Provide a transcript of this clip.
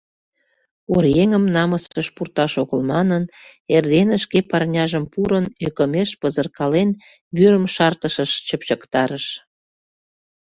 Оръеҥым намысыш пурташ огыл манын, эрдене шке парняжым пурын, ӧкымеш пызыркален, вӱрым шартышыш чыпчыктарыш.